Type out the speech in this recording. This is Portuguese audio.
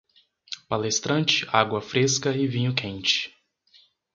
Palestrante, água fresca e vinho quente.